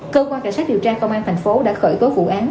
cơ quan cảnh sát điều tra công an thành phố đã khởi tố vụ án